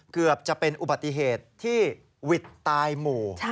เกือบจะเป็นอุบัติเหตุที่วิทย์ตายหมู่